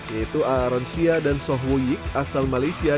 yaitu aaron sia dan soh wuyik asal malaysia